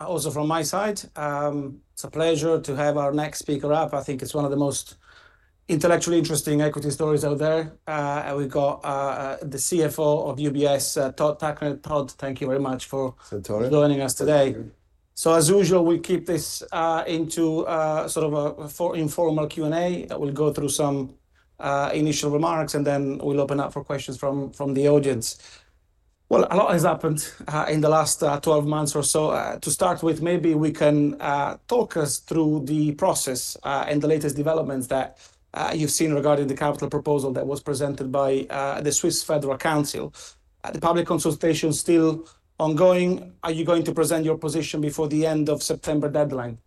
Also from my side, it's a pleasure to have our next speaker up. I think it's one of the most intellectually interesting equity stories out there. We've got the Chief Financial Officer of UBS, Todd Tuckner. Todd, thank you very much for joining us today. As usual, we keep this into sort of a formal Q&A. We'll go through some initial remarks, and then we'll open up for questions from the audience. A lot has happened in the last 12 months or so. To start with, maybe you can talk us through the process and the latest developments that you've seen regarding the capital proposal that was presented by the Swiss Federal Council. The public consultation is still ongoing. Are you going to present your position before the end of the September deadline?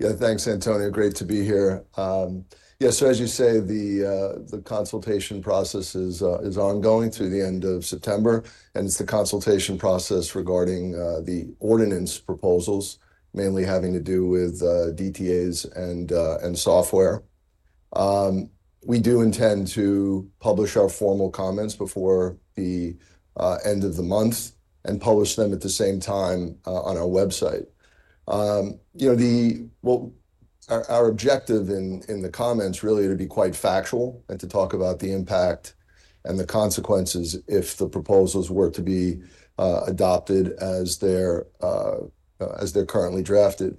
Yeah, thanks, Antonio. Great to be here. Yes, sir, as you say, the consultation process is ongoing through the end of September, and it's the consultation process regarding the ordinance proposals, mainly having to do with DTAs and software. We do intend to publish our formal comments before the end of the month and publish them at the same time on our website. Our objective in the comments really is to be quite factual and to talk about the impact and the consequences if the proposals were to be adopted as they're currently drafted.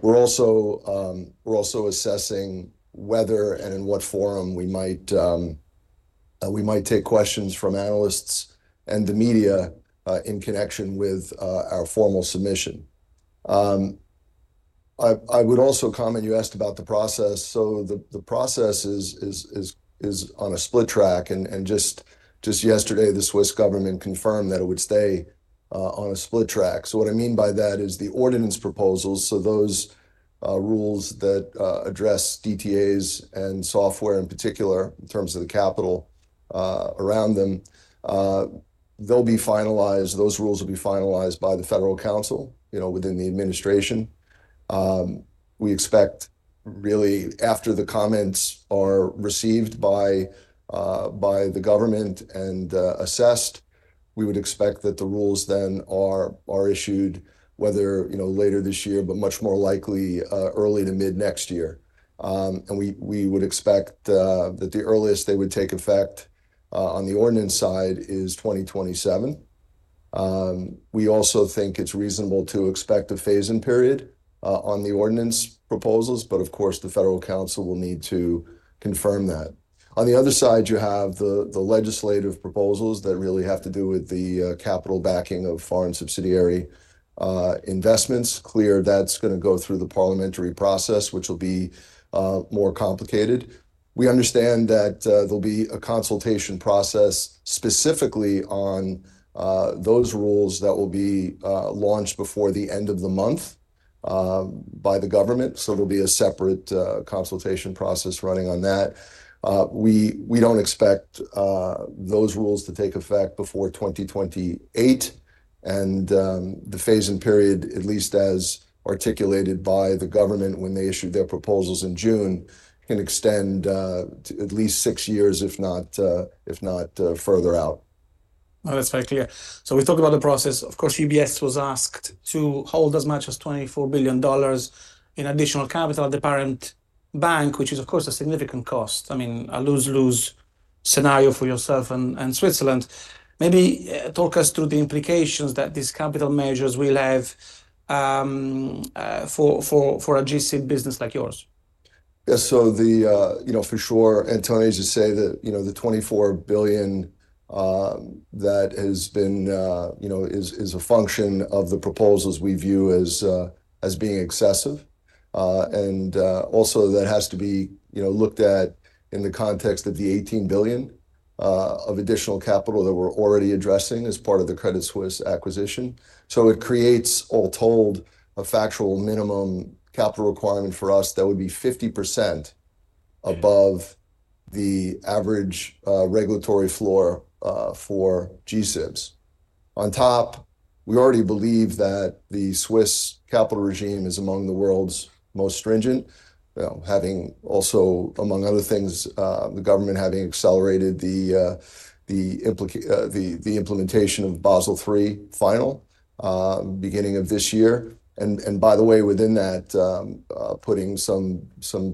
We're also assessing whether and in what forum we might take questions from analysts and the media in connection with our formal submission. I would also comment, you asked about the process. The process is on a split track, and just yesterday, the Swiss government confirmed that it would stay on a split track. What I mean by that is the ordinance proposals, those rules that address DTAs and software in particular, in terms of the capital around them, those rules will be finalized by the Swiss Federal Council, within the administration. We expect, after the comments are received by the government and assessed, we would expect that the rules then are issued whether later this year, but much more likely early to mid next year. We would expect that the earliest they would take effect on the ordinance side is 2027. We also think it's reasonable to expect a phase-in period on the ordinance proposals, but of course, the Swiss Federal Council will need to confirm that. On the other side, you have the legislative proposals that really have to do with the capital backing of foreign subsidiary investments. Clear, that's going to go through the parliamentary process, which will be more complicated. We understand that there'll be a consultation process specifically on those rules that will be launched before the end of the month by the government. There'll be a separate consultation process running on that. We don't expect those rules to take effect before 2028, and the phase-in period, at least as articulated by the government when they issued their proposals in June, can extend to at least six years, if not further out. No, that's very clear. We've talked about the process. UBS was asked to hold as much as $24 billion in additional capital at the parent bank, which is, of course, a significant cost. I mean, a lose-lose scenario for yourself and Switzerland. Maybe talk us through the implications that these capital measures will have for a GC business like yours. Yes, for sure, Antonio, as you say, the $24 billion that has been, you know, is a function of the proposals we view as being excessive. Also, that has to be, you know, looked at in the context of the $18 billion of additional capital that we're already addressing as part of the Credit Suisse acquisition. It creates, all told, a factual minimum capital requirement for us that would be 50% above the average regulatory floor for G-SIBs. We already believe that the Swiss capital regime is among the world's most stringent, having also, among other things, the government having accelerated the implementation of Basel III final beginning of this year. By the way, within that, putting some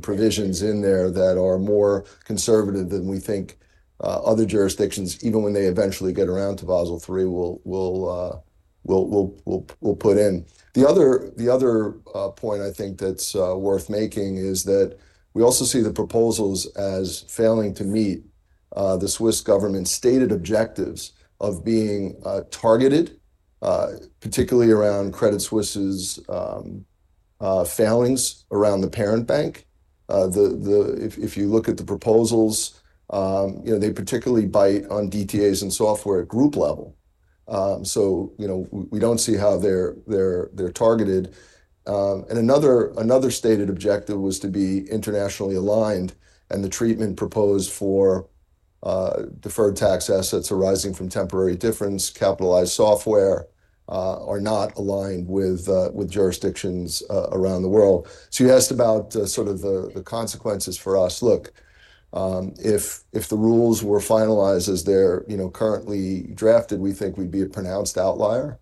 provisions in there that are more conservative than we think other jurisdictions, even when they eventually get around to Basel III, will put in. The other point I think that's worth making is that we also see the proposals as failing to meet the Swiss government's stated objectives of being targeted, particularly around Credit Suisse's failings around the parent bank. If you look at the proposals, they particularly bite on DTAs and software at group level. We don't see how they're targeted. Another stated objective was to be internationally aligned, and the treatment proposed for deferred tax assets arising from temporary difference, capitalized software, are not aligned with jurisdictions around the world. You asked about sort of the consequences for us. If the rules were finalized as they're currently drafted, we think we'd be a pronounced outlier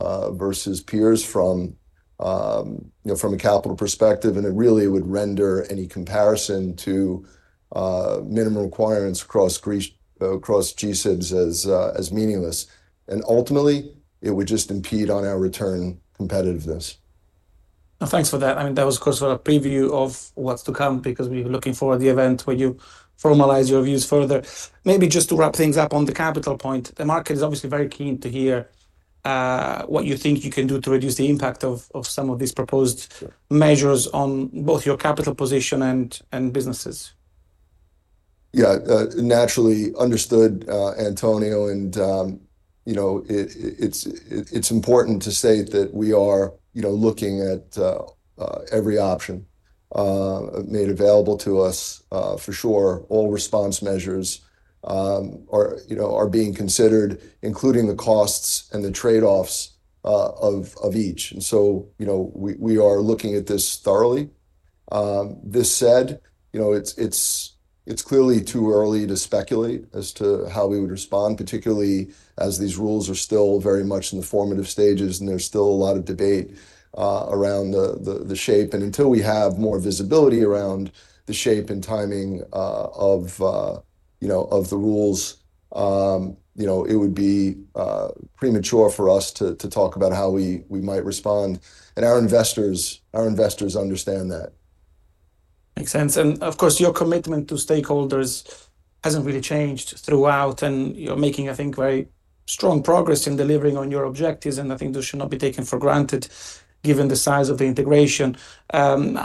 versus peers from a capital perspective, and it really would render any comparison to minimum requirements across G-SIBs as meaningless. Ultimately, it would just impede on our return competitiveness. No, thanks for that. I mean, that was, of course, for a preview of what's to come because we were looking forward to the event where you formalize your views further. Maybe just to wrap things up on the capital point, the market is obviously very keen to hear what you think you can do to reduce the impact of some of these proposed measures on both your capital position and businesses. Naturally, understood, Antonio. It's important to state that we are looking at every option made available to us. For sure, all response measures are being considered, including the costs and the trade-offs of each. We are looking at this thoroughly. This said, it's clearly too early to speculate as to how we would respond, particularly as these rules are still very much in the formative stages, and there's still a lot of debate around the shape. Until we have more visibility around the shape and timing of the rules, it would be premature for us to talk about how we might respond. Our investors understand that. Makes sense. Your commitment to stakeholders hasn't really changed throughout, and you're making, I think, very strong progress in delivering on your objectives. I think this should not be taken for granted, given the size of the integration.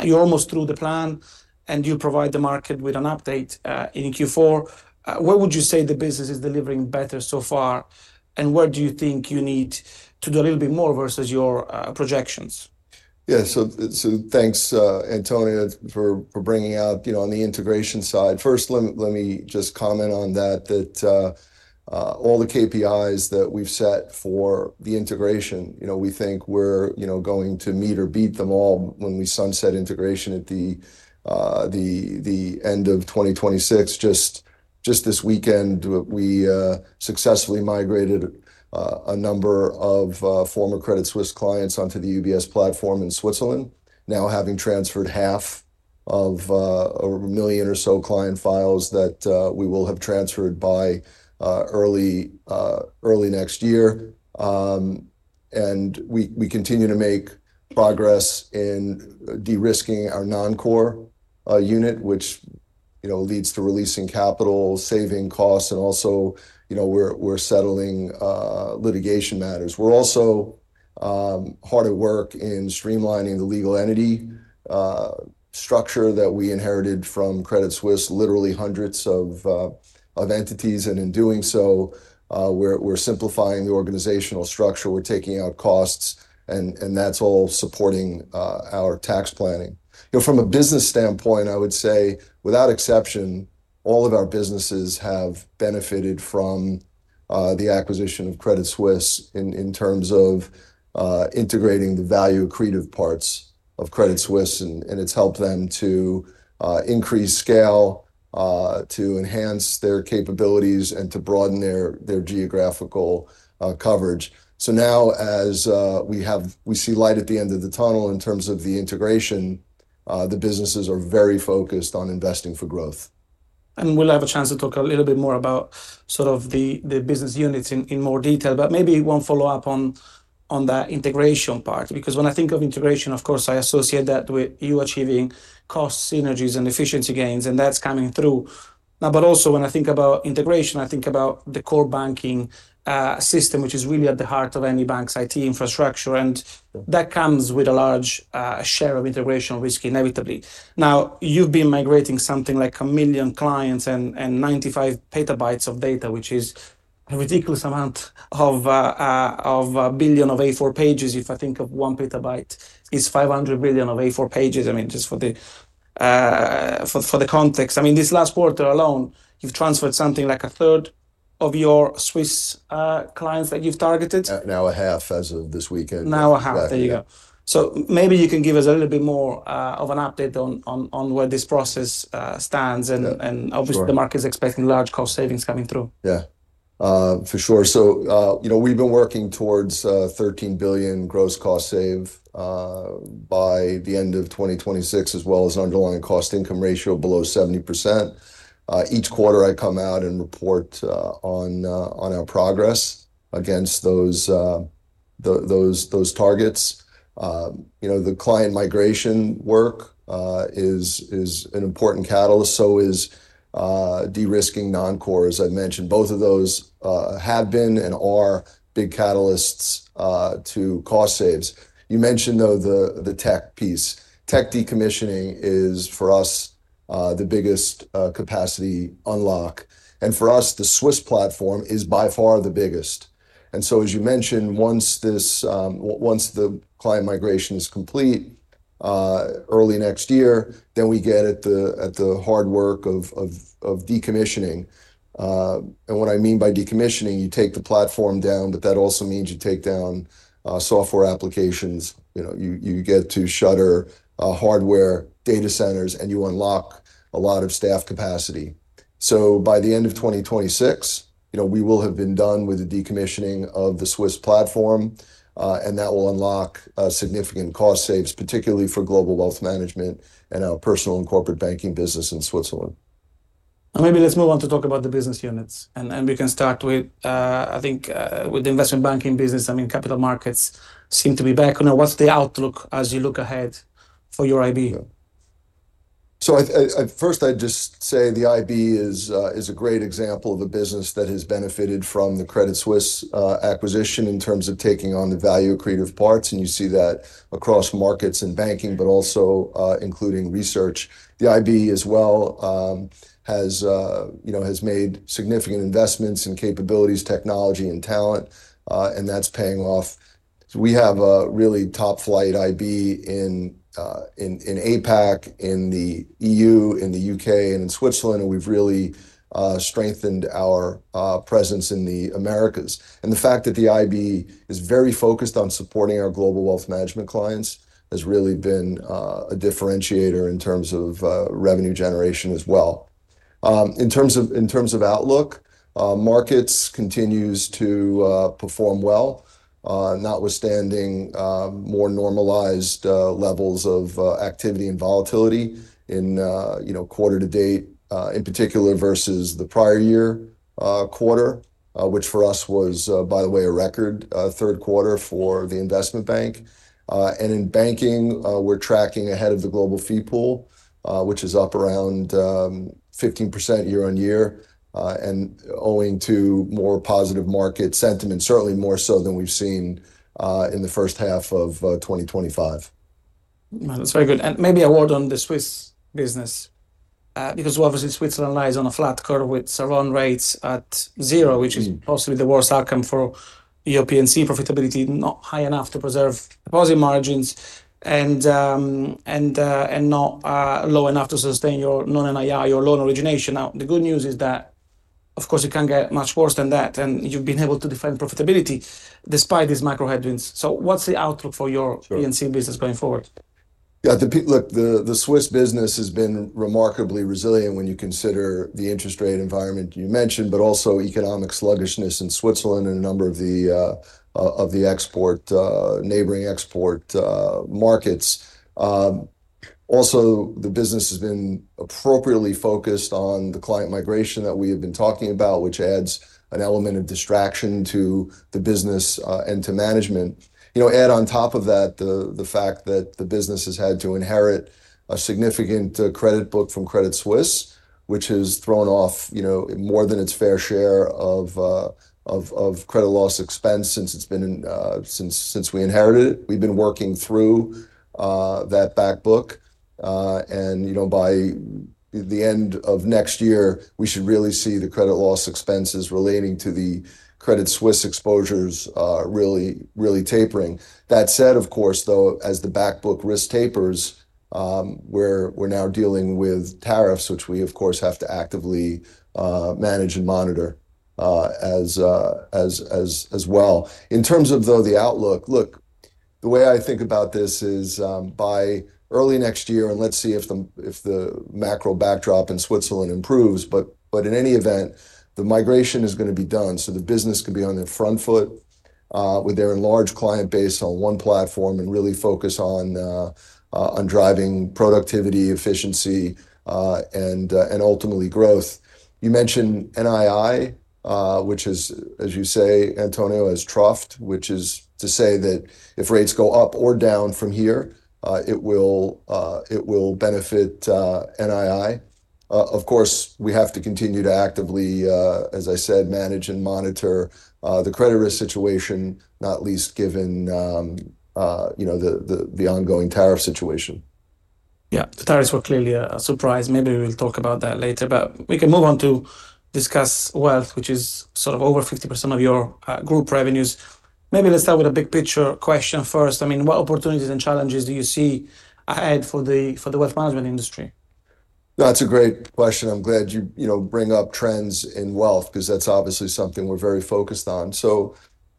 You're almost through the plan, and you provide the market with an update in Q4. Where would you say the business is delivering better so far, and where do you think you need to do a little bit more versus your projections? Yeah, so thanks, Antonio, for bringing up, you know, on the integration side. First, let me just comment on that, that all the KPIs that we've set for the integration, you know, we think we're, you know, going to meet or beat them all when we sunset integration at the end of 2026. Just this weekend, we successfully migrated a number of former Credit Suisse clients onto the UBS platform in Switzerland, now having transferred half of a million or so client files that we will have transferred by early next year. We continue to make progress in de-risking our non-core unit, which, you know, leads to releasing capital, saving costs, and also, you know, we're settling litigation matters. We're also hard at work in streamlining the legal entity structure that we inherited from Credit Suisse, literally hundreds of entities. In doing so, we're simplifying the organizational structure. We're taking out costs, and that's all supporting our tax planning. From a business standpoint, I would say, without exception, all of our businesses have benefited from the acquisition of Credit Suisse in terms of integrating the value creative parts of Credit Suisse. It's helped them to increase scale, to enhance their capabilities, and to broaden their geographical coverage. Now, as we see light at the end of the tunnel in terms of the integration, the businesses are very focused on investing for growth. We'll have a chance to talk a little bit more about the business units in more detail, but maybe one follow-up on that integration part. When I think of integration, of course, I associate that with you achieving cost synergies and efficiency gains, and that's coming through. When I think about integration, I think about the core banking system, which is really at the heart of any bank's IT infrastructure. That comes with a large share of integration risk inevitably. You've been migrating something like a million clients and 95 petabytes of data, which is a ridiculous amount of a billion of A4 pages. If I think of one petabyte, it's 500 billion of A4 pages, just for the context. This last quarter alone, you've transferred something like a third of your Swiss clients that you've targeted. Now a half as of this weekend. Now a half, there you go. Maybe you can give us a little bit more of an update on where this process stands. Obviously, the market is expecting large cost savings coming through. Yeah, for sure. We've been working towards $13 billion gross cost save by the end of 2026, as well as an underlying cost-income ratio below 70%. Each quarter, I come out and report on our progress against those targets. The client migration work is an important catalyst. De-risking non-core, as I mentioned, has been and is a big catalyst to cost saves. You mentioned the tech piece. Tech decommissioning is, for us, the biggest capacity unlock. For us, the Swiss platform is by far the biggest. As you mentioned, once the client migration is complete early next year, we get at the hard work of decommissioning. What I mean by decommissioning is you take the platform down, but that also means you take down software applications. You get to shutter hardware data centers, and you unlock a lot of staff capacity. By the end of 2026, we will have been done with the decommissioning of the Swiss platform, and that will unlock significant cost saves, particularly for Global Wealth Management and our Personal and Corporate Banking business in Switzerland. Maybe let's move on to talk about the business units. We can start with, I think, the investment banking business. I mean, capital markets seem to be back. What's the outlook as you look ahead for your IB? The IB is a great example of a business that has benefited from the Credit Suisse acquisition in terms of taking on the value creative parts. You see that across markets and banking, but also including research. The IB as well has made significant investments in capabilities, technology, and talent, and that's paying off. We have a really top-flight IB in APAC, in the EU, in the UK, and in Switzerland. We've really strengthened our presence in the Americas. The fact that the IB is very focused on supporting our global wealth management clients has really been a differentiator in terms of revenue generation as well. In terms of outlook, markets continue to perform well, notwithstanding more normalized levels of activity and volatility in quarter to date, in particular versus the prior year quarter, which for us was, by the way, a record third quarter for the investment bank. In banking, we're tracking ahead of the global fee pool, which is up around 15% year on year, and owing to more positive market sentiment, certainly more so than we've seen in the first half of 2025. That's very good. Maybe a word on the Swiss business, because obviously Switzerland lies on a flat curve with SARON rates at zero, which is possibly the worst outcome for European C profitability, not high enough to preserve deposit margins and not low enough to sustain your non-NII, your loan origination. The good news is that, of course, it can get much worse than that. You've been able to defend profitability despite these micro headwinds. What's the outlook for your P&C business going forward? Yeah, look, the Swiss business has been remarkably resilient when you consider the interest rate environment you mentioned, but also economic sluggishness in Switzerland and a number of the neighboring export markets. Also, the business has been appropriately focused on the client migration that we have been talking about, which adds an element of distraction to the business and to management. Add on top of that the fact that the business has had to inherit a significant credit book from Credit Suisse, which has thrown off more than its fair share of credit loss expense since we inherited it. We've been working through that backbook. By the end of next year, we should really see the credit loss expenses relating to the Credit Suisse exposures really, really tapering. That said, of course, as the backbook risk tapers, we're now dealing with tariffs, which we, of course, have to actively manage and monitor as well. In terms of the outlook, the way I think about this is by early next year, and let's see if the macro backdrop in Switzerland improves. In any event, the migration is going to be done so the business could be on their front foot with their enlarged client base on one platform and really focus on driving productivity, efficiency, and ultimately growth. You mentioned NII, which is, as you say, Antonio, has troughed, which is to say that if rates go up or down from here, it will benefit NII. Of course, we have to continue to actively, as I said, manage and monitor the credit risk situation, not least given the ongoing tariff situation. Yeah, the tariffs were clearly a surprise. Maybe we'll talk about that later, but we can move on to discuss wealth, which is sort of over 50% of your group revenues. Maybe let's start with a big picture question first. I mean, what opportunities and challenges do you see ahead for the wealth management industry? That's a great question. I'm glad you bring up trends in wealth because that's obviously something we're very focused on.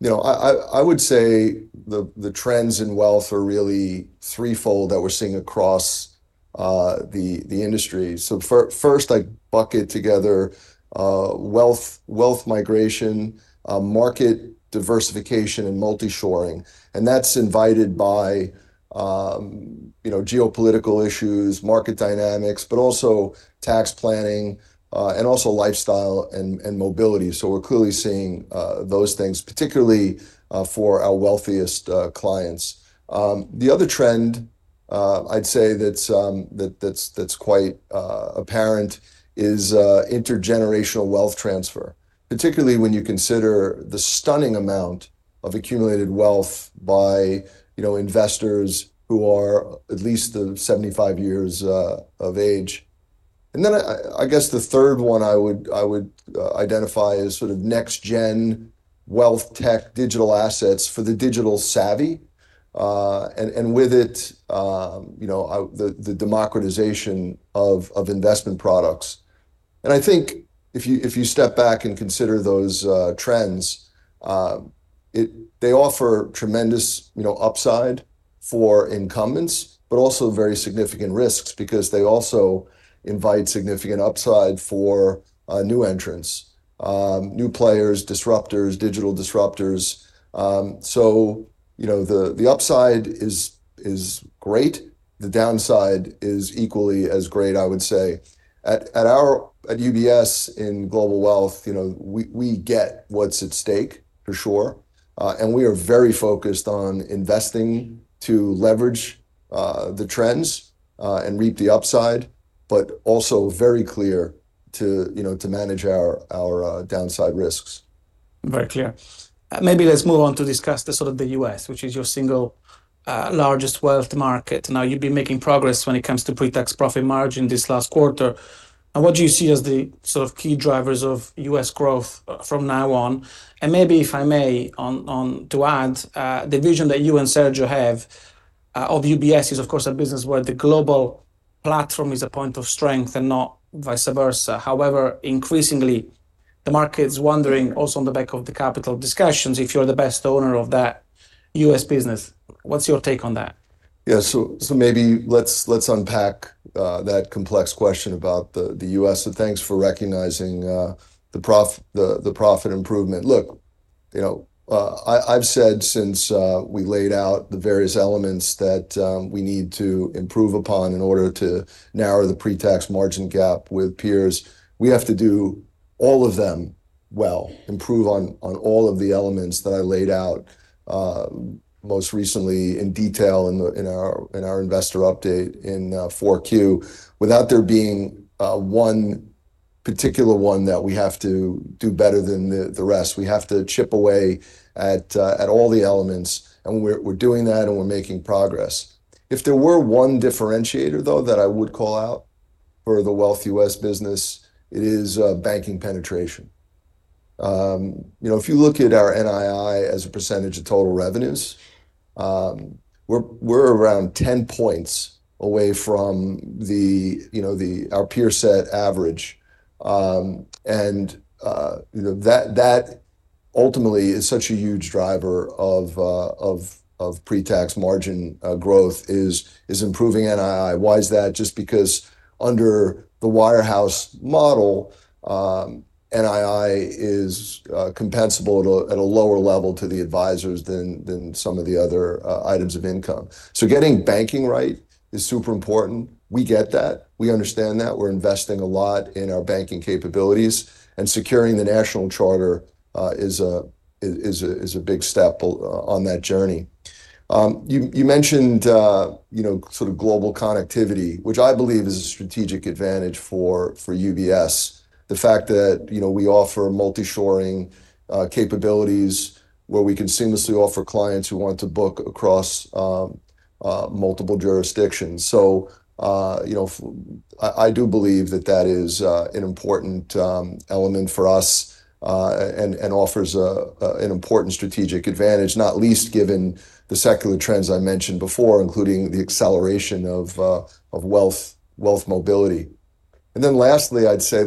I would say the trends in wealth are really threefold that we're seeing across the industry. First, I'd bucket together wealth migration, market diversification, and multi-shoring. That's invited by geopolitical issues, market dynamics, but also tax planning, and also lifestyle and mobility. We're clearly seeing those things, particularly for our wealthiest clients. The other trend I'd say that's quite apparent is intergenerational wealth transfer, particularly when you consider the stunning amount of accumulated wealth by investors who are at least 75 years of age. I guess the third one I would identify is sort of next-gen wealth tech digital assets for the digital savvy, and with it, the democratization of investment products. If you step back and consider those trends, they offer tremendous upside for incumbents, but also very significant risks because they also invite significant upside for new entrants, new players, disruptors, digital disruptors. The upside is great. The downside is equally as great, I would say. At UBS in Global Wealth, we get what's at stake for sure. We are very focused on investing to leverage the trends and reap the upside, but also very clear to manage our downside risks. Very clear. Maybe let's move on to discuss the sort of the U.S., which is your single largest wealth market. You've been making progress when it comes to pre-tax profit margin this last quarter. What do you see as the sort of key drivers of U.S. growth from now on? Maybe, if I may, to add, the vision that you and Sergio have of UBS is, of course, a business where the global platform is a point of strength and not vice versa. However, increasingly, the market is wondering, also on the back of the capital discussions, if you're the best owner of that U.S. business. What's your take on that? Yeah, maybe let's unpack that complex question about the U.S. Thanks for recognizing the profit improvement. Look, I've said since we laid out the various elements that we need to improve upon in order to narrow the pre-tax margin gap with peers, we have to do all of them well, improve on all of the elements that I laid out most recently in detail in our investor update in 4Q. Without there being one particular one that we have to do better than the rest, we have to chip away at all the elements. We're doing that and we're making progress. If there were one differentiator, though, that I would call out for the wealthy U.S. business, it is banking penetration. If you look at our NII as a percentage of total revenues, we're around 10% away from our peer set average. That ultimately is such a huge driver of pre-tax margin growth, improving NII. Why is that? Just because under the wirehouse model, NII is compensable at a lower level to the advisors than some of the other items of income. Getting banking right is super important. We get that. We understand that. We're investing a lot in our banking capabilities. Securing the national charter is a big step on that journey. You mentioned sort of global connectivity, which I believe is a strategic advantage for UBS. The fact that we offer multi-shoring capabilities where we can seamlessly offer clients who want to book across multiple jurisdictions. I do believe that is an important element for us and offers an important strategic advantage, not least given the secular trends I mentioned before, including the acceleration of wealth mobility. Lastly, I'd say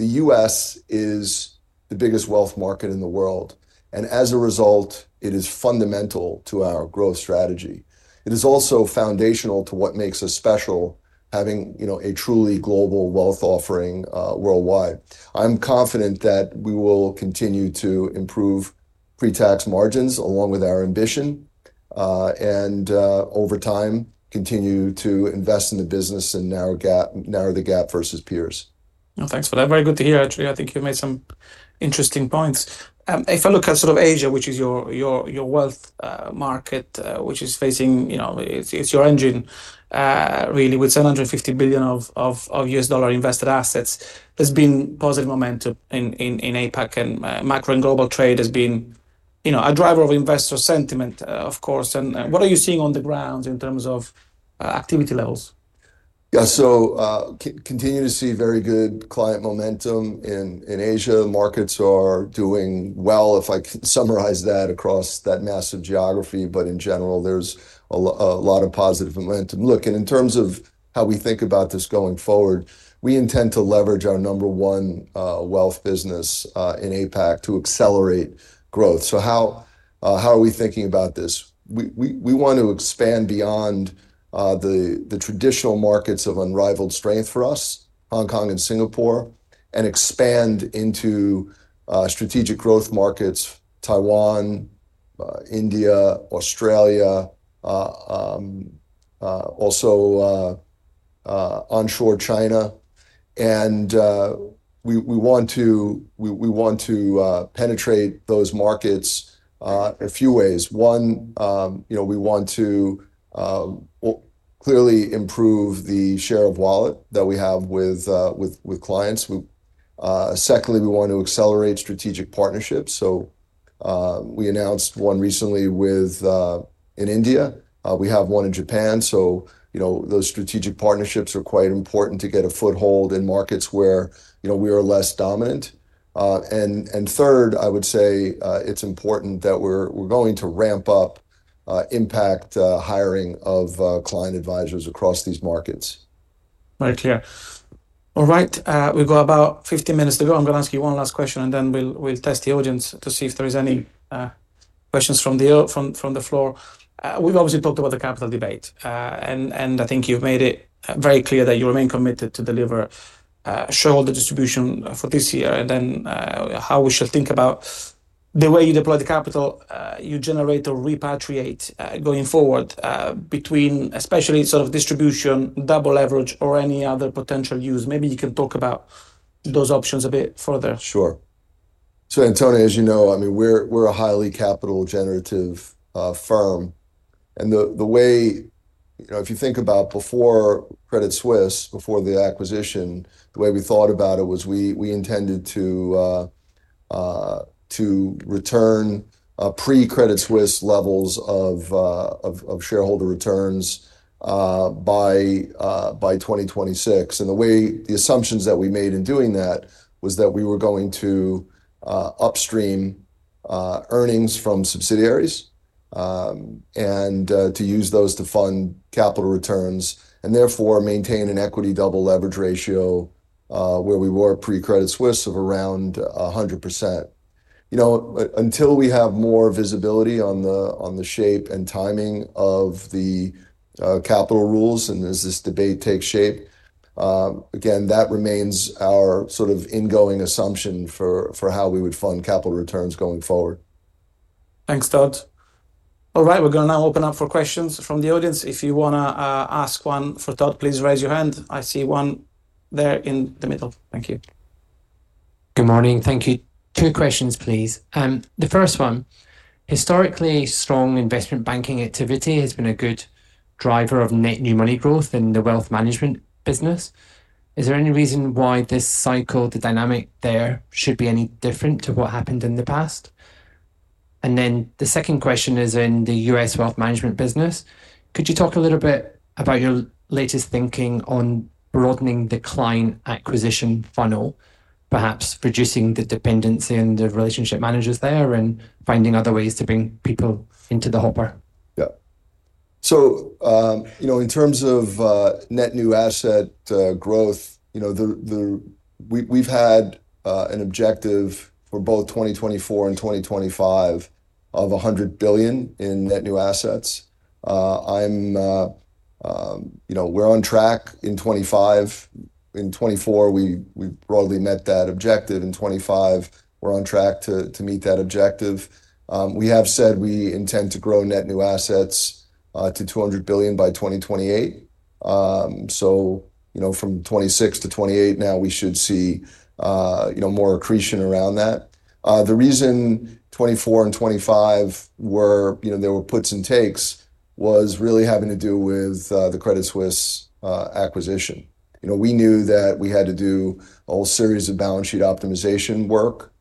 the U.S. is the biggest wealth market in the world. As a result, it is fundamental to our growth strategy. It is also foundational to what makes us special, having a truly global wealth offering worldwide. I'm confident that we will continue to improve pre-tax margins along with our ambition and, over time, continue to invest in the business and narrow the gap versus peers. Thanks for that. Very good to hear. I think you made some interesting points. If I look at sort of Asia, which is your wealth market, which is facing, you know, it's your engine, really, with $750 billion of U.S. dollar invested assets, there's been positive momentum in APAC and macro and global trade has been, you know, a driver of investor sentiment. What are you seeing on the ground in terms of activity levels? Yeah, continue to see very good client momentum in Asia. Markets are doing well, if I summarize that across that massive geography, but in general, there's a lot of positive momentum. In terms of how we think about this going forward, we intend to leverage our number one wealth business in APAC to accelerate growth. How are we thinking about this? We want to expand beyond the traditional markets of unrivaled strength for us, Hong Kong and Singapore, and expand into strategic growth markets: Taiwan, India, Australia, also onshore China. We want to penetrate those markets a few ways. One, we want to clearly improve the share of wallet that we have with clients. Secondly, we want to accelerate strategic partnerships. We announced one recently in India. We have one in Japan. Those strategic partnerships are quite important to get a foothold in markets where we are less dominant. Third, I would say it's important that we're going to ramp up impact hiring of client advisors across these markets. Right here. All right, we've got about 15 minutes to go. I'm going to ask you one last question, and then we'll test the audience to see if there are any questions from the floor. We've obviously talked about the capital debate, and I think you've made it very clear that you remain committed to deliver shareholder distribution for this year. How should we think about the way you deploy the capital you generate or repatriate going forward between, especially sort of distribution, double leverage, or any other potential use? Maybe you can talk about those options a bit further. Sure. Antonio, as you know, we're a highly capital-generative firm. If you think about before Credit Suisse, before the acquisition, the way we thought about it was we intended to return pre-Credit Suisse levels of shareholder returns by 2026. The assumptions that we made in doing that were that we were going to upstream earnings from subsidiaries and use those to fund capital returns and therefore maintain an equity double leverage ratio where we were pre-Credit Suisse of around 100%. Until we have more visibility on the shape and timing of the capital rules and as this debate takes shape, that remains our sort of ingoing assumption for how we would fund capital returns going forward. Thanks, Todd. All right, we're going to now open up for questions from the audience. If you want to ask one for Todd, please raise your hand. I see one there in the middle. Thank you. Good morning. Thank you. Two questions, please. The first one, historically strong investment banking activity has been a good driver of net new money growth in the wealth management business. Is there any reason why this cycle, the dynamic there should be any different to what happened in the past? The second question is in the U.S. wealth management business. Could you talk a little bit about your latest thinking on broadening the client acquisition funnel, perhaps reducing the dependency on the relationship managers there and finding other ways to bring people into the hopper? Yeah. In terms of net new asset growth, we've had an objective for both 2024 and 2025 of $100 billion in net new assets. We're on track in 2025. In 2024, we broadly met that objective. In 2025, we're on track to meet that objective. We have said we intend to grow net new assets to $200 billion by 2028. From 2026 to 2028 now, we should see more accretion around that. The reason 2024 and 2025 were, there were puts and takes, was really having to do with the Credit Suisse acquisition. We knew that we had to do a whole series of balance sheet optimization work.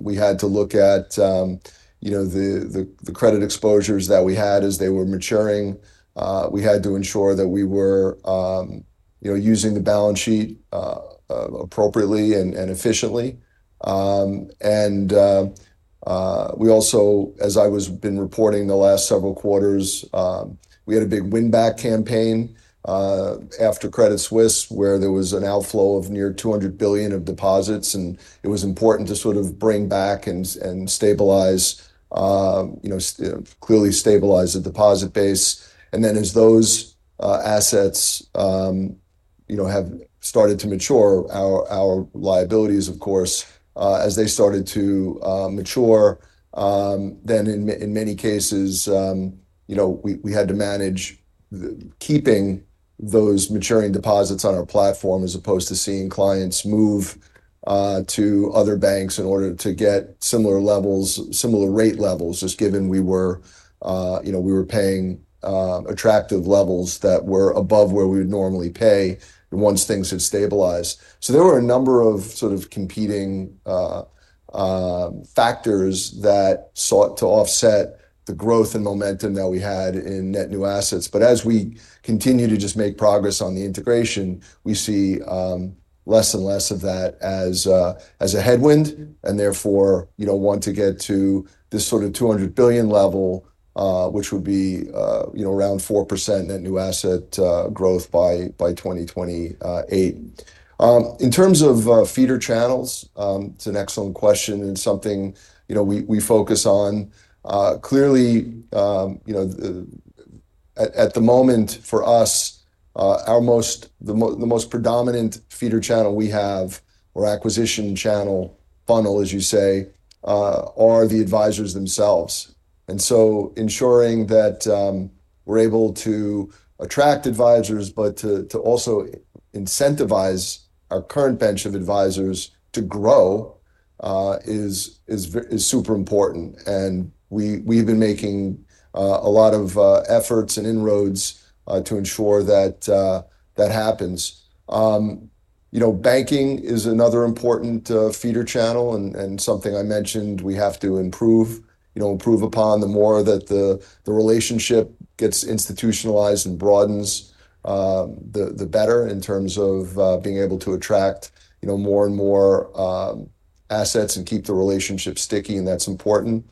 We had to look at the credit exposures that we had as they were maturing. We had to ensure that we were using the balance sheet appropriately and efficiently. As I have been reporting the last several quarters, we had a big win-back campaign after Credit Suisse where there was an outflow of near $200 billion of deposits. It was important to bring back and clearly stabilize the deposit base. As those assets have started to mature, our liabilities, of course, as they started to mature, in many cases, we had to manage keeping those maturing deposits on our platform as opposed to seeing clients move to other banks in order to get similar rate levels, just given we were paying attractive levels that were above where we would normally pay once things had stabilized. There were a number of competing factors that sought to offset the growth and momentum that we had in net new assets. As we continue to make progress on the integration, we see less and less of that as a headwind and therefore want to get to this $200 billion level, which would be around 4% net new asset growth by 2028. In terms of feeder channels, it's an excellent question and something we focus on. Clearly, at the moment for us, the most predominant feeder channel we have or acquisition channel funnel, as you say, are the advisors themselves. Ensuring that we're able to attract advisors, but to also incentivize our current bench of advisors to grow is super important. We've been making a lot of efforts and inroads to ensure that that happens. Banking is another important feeder channel and something I mentioned we have to improve upon. The more that the relationship gets institutionalized and broadens, the better in terms of being able to attract more and more assets and keep the relationship sticky, and that's important.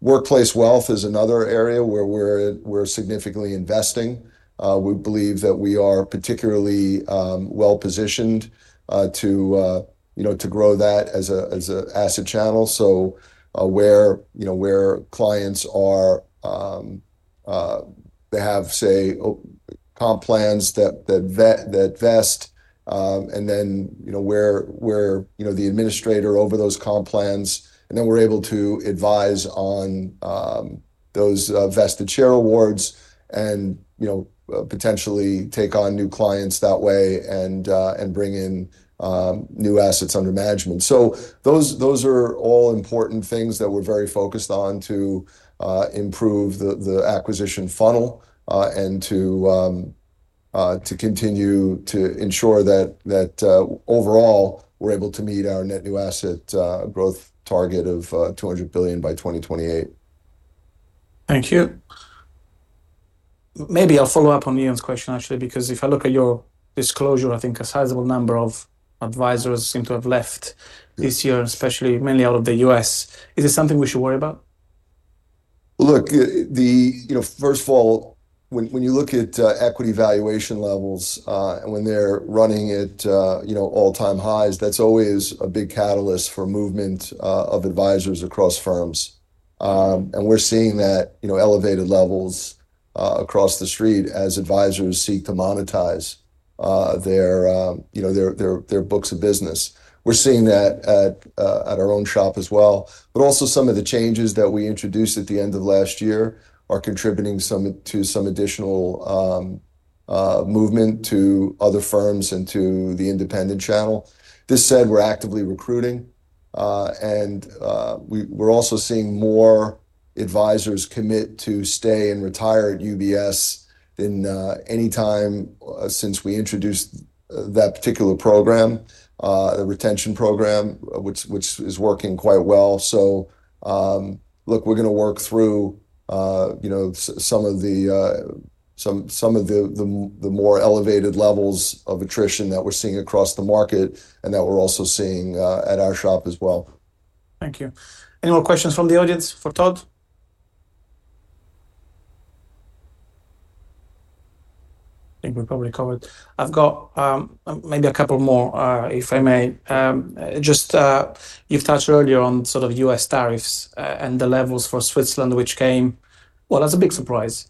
Workplace wealth is another area where we're significantly investing. We believe that we are particularly well positioned to grow that as an asset channel. Where clients are, they have, say, comp plans that vest, and then where the administrator over those comp plans, and then we're able to advise on those vested share awards and potentially take on new clients that way and bring in new assets under management. Those are all important things that we're very focused on to improve the acquisition funnel and to continue to ensure that overall we're able to meet our net new asset growth target of $200 billion by 2028. Thank you. Maybe I'll follow up on Ian's question, actually, because if I look at your disclosure, I think a sizable number of advisors seem to have left this year, especially mainly out of the U.S. Is this something we should worry about? Look, first of all, when you look at equity valuation levels, when they're running at all-time highs, that's always a big catalyst for movement of advisors across firms. We're seeing that, elevated levels across the street as advisors seek to monetize their books of business. We're seeing that at our own shop as well. Also, some of the changes that we introduced at the end of last year are contributing to some additional movement to other firms and to the independent channel. This said, we're actively recruiting, and we're also seeing more advisors commit to stay and retire at UBS than any time since we introduced that particular program, the retention program, which is working quite well. We're going to work through some of the more elevated levels of attrition that we're seeing across the market and that we're also seeing at our shop as well. Thank you. Any more questions from the audience for Todd? I think we've probably covered. I've got maybe a couple more, if I may. Just you've touched earlier on sort of U.S. tariffs and the levels for Switzerland, which came, as a big surprise,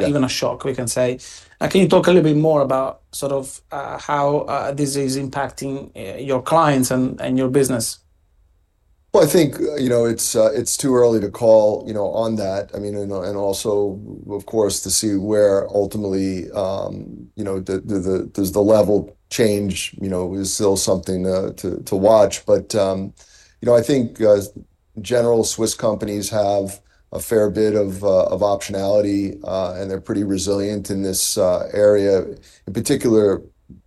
even a shock, we can say. Can you talk a little bit more about sort of how this is impacting your clients and your business? I think it's too early to call on that. I mean, and also, of course, to see where ultimately there's the level change is still something to watch. I think general Swiss companies have a fair bit of optionality, and they're pretty resilient in this area, in particular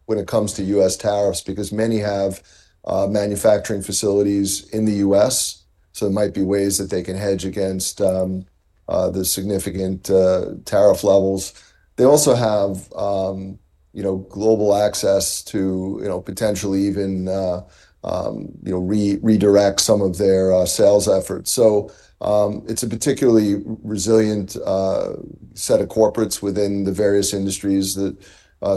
when it comes to U.S. tariffs, because many have manufacturing facilities in the U.S. There might be ways that they can hedge against the significant tariff levels. They also have global access to potentially even redirect some of their sales efforts. It's a particularly resilient set of corporates within the various industries that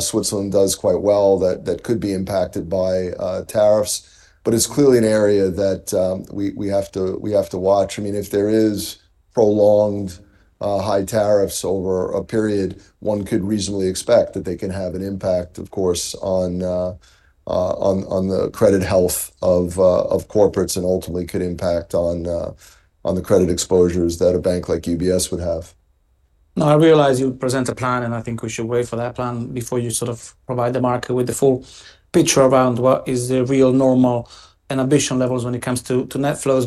Switzerland does quite well that could be impacted by tariffs. It's clearly an area that we have to watch. I mean, if there are prolonged high tariffs over a period, one could reasonably expect that they can have an impact, of course, on the credit health of corporates and ultimately could impact on the credit exposures that a bank like UBS would have. Now, I realize you present a plan, and I think we should wait for that plan before you provide the market with the full picture around what is the real normal and ambition levels when it comes to net flows.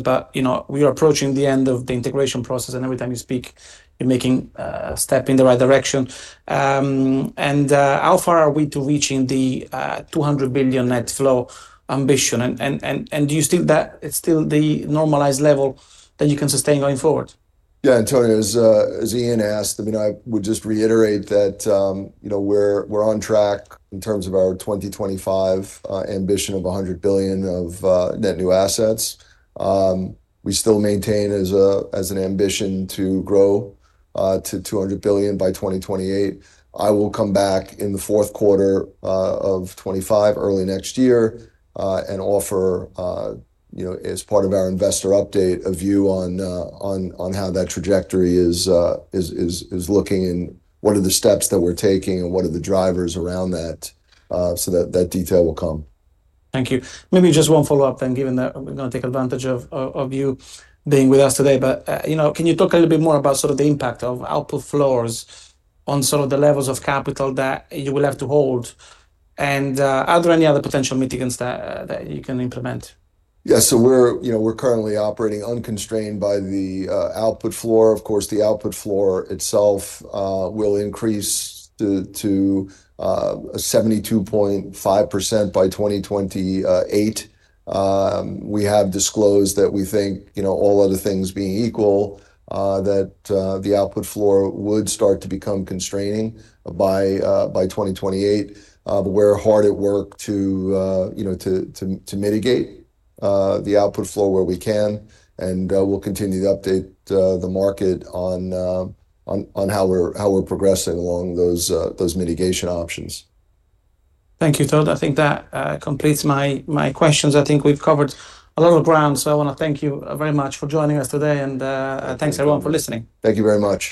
We are approaching the end of the integration process, and every time you speak, you're making a step in the right direction. How far are we to reaching the $200 billion net flow ambition? Do you think that it's still the normalized level that you can sustain going forward? Yeah, Antonio, as Ian asked, I would just reiterate that we're on track in terms of our 2025 ambition of $100 billion of net new assets. We still maintain as an ambition to grow to $200 billion by 2028. I will come back in the fourth quarter of 2025 or early next year and offer, as part of our investor update, a view on how that trajectory is looking and what are the steps that we're taking and what are the drivers around that. That detail will come. Thank you. Maybe just one follow-up then, given that we're going to take advantage of you being with us today. You know, can you talk a little bit more about the impact of output floors on the levels of capital that you will have to hold? Are there any other potential mitigations that you can implement? Yeah, we're currently operating unconstrained by the output floor. Of course, the output floor itself will increase to 72.5% by 2028. We have disclosed that we think, all other things being equal, that the output floor would start to become constraining by 2028. We're hard at work to mitigate the output floor where we can, and we'll continue to update the market on how we're progressing along those mitigation options. Thank you, Todd. I think that completes my questions. I think we've covered a lot of ground. I want to thank you very much for joining us today, and thanks, everyone, for listening. Thank you very much.